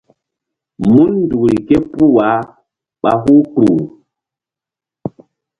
Mun nzukri ké puh wah ɓa huh kpuh.